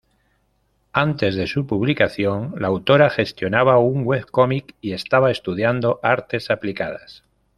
Antes de su publicación, la autora gestionaba un webcómic y estaba estudiando artes aplicadas.